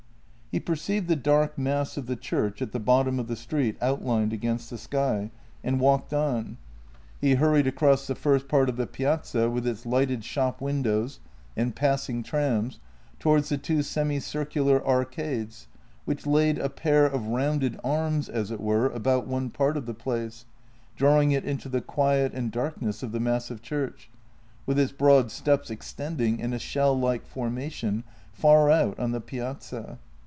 He perceived the dark mass of the church at the bottom of the street outlined against the sky, and walked on. He hurried JENNY H across the first part of the piazza with its lighted shop windows and passing trams towards the two semicircular arcades, which laid a pair of rounded arms, as it were, about one part of the place, drawing it into the quiet and darkness of the massive church, with its broad steps extending in a shell like formation far out on the piazza.